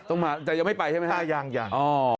ต้องมาแต่ยังไม่ไปใช่ไหมครับอ๋อยัง